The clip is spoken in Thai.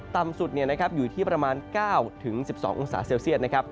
ต่ำสุดอยู่ที่ประมาณ๙๑๒องศาเซลเซียตนะครับ